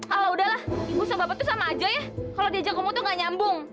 alah udahlah buset bapak itu sama aja ya kalau diajak kamu tuh gak nyambung